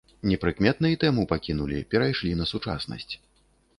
Непрыкметна і тэму пакінулі, перайшлі на сучаснасць.